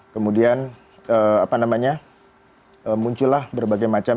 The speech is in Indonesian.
kemudian muncullah berbagai macam